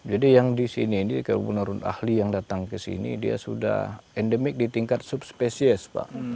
jadi yang di sini kalau menurut ahli yang datang ke sini dia sudah endemik di tingkat subspesies pak